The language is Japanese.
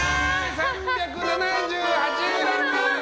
３７８ｇ！